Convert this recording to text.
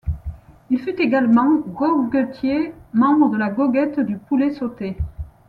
Il fut également goguettier, membre de la goguette du Poulet sauté.